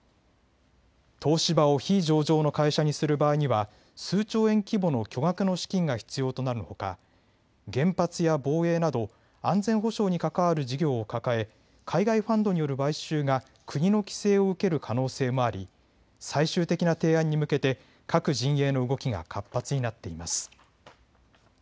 東芝を非上場の会社にする場合には数兆円規模の巨額の資金が必要となるほか原発や防衛など安全保障に関わる事業を抱え海外ファンドによる買収が国の規制を受ける可能性もあり最終的な提案に向けて各陣営の動きが活発になっています。